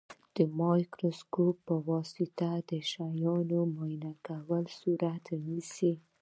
د مایکروسکوپ په واسطه د شیانو معاینه کول صورت نیسي.